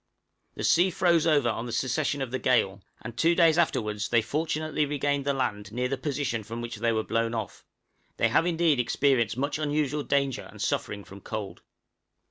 The sea froze over on the cessation of the gale, and two days afterwards they fortunately regained the land near the position from which they were blown off; they have indeed experienced much unusual danger and suffering from cold.